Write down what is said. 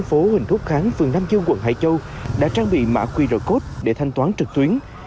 phố huỳnh thúc kháng phường năm dương quận hải châu đã trang bị mã qr code để thanh toán trực tuyến